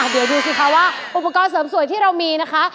เดี๋ยวดูสิคะว่าอุปกรณ์เสริมสวยที่เรามีนะคะ